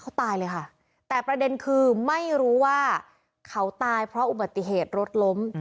เขาตายเลยค่ะแต่ประเด็นคือไม่รู้ว่าเขาตายเพราะอุบัติเหตุรถล้ม